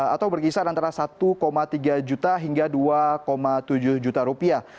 atau berkisar antara satu tiga juta hingga dua tujuh juta rupiah